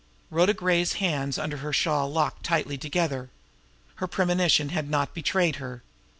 Rhoda Gray's hands under her shawl locked tightly together. Her premonition had not betrayed her.